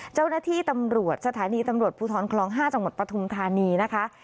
เจ้าหน้าที่ตำรวจสถานีตำรวจภูทรคลอง๕จังหวัดปฐุมธานีนะคะ